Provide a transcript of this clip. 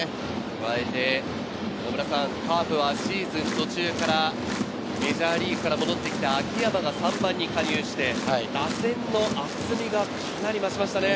加えて、カープはシーズン途中から、メジャーリーグから戻ってきた秋山が３番に加入して、打線の厚みが増しましたね。